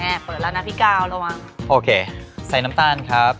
เปิดแล้วนะพี่กาวระวังโอเคใส่น้ำตาลครับ